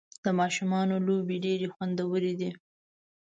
د ماشومانو لوبې ډېرې خوندورې دي.